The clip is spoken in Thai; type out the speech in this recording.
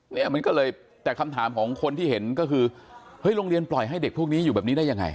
เนี่ยมันก็เลยแต่คำถามของคนที่เห็นก็คือเฮ้ยโรงเรียนปล่อยให้เด็กพวกนี้อยู่แบบนี้ได้ยังไง